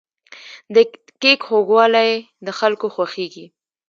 د کیک خوږوالی د خلکو خوښیږي.